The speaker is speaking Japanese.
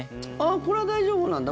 これは大丈夫なんだ。